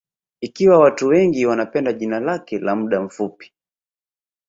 Ikiwa watu wengi wanapenda jina lake la muda mfupi